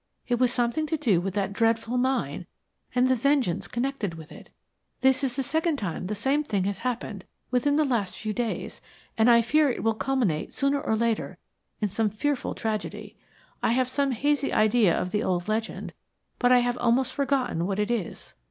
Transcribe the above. "It was something to do with that dreadful mine and the vengeance connected with it. This is the second time the same thing has happened within the last few days, and I fear that it will culminate sooner or later in some fearful tragedy. I have some hazy idea of the old legend, but I have almost forgotten what it is."